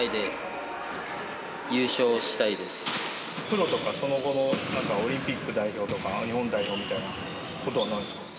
プロとかその後のオリンピック代表とか日本代表みたいなことはないんですか？